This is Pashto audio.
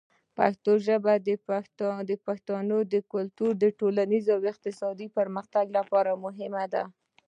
پښتو ژبه د پښتنو د فرهنګي، ټولنیز او اقتصادي پرمختګ لپاره مهمه ده.